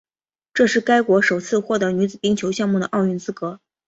这是该国首次获得女子冰球项目的奥运资格。